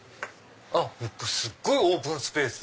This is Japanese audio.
すっごいオープンスペース！